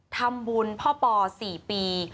ทำบุญพ่อปอ๔ปี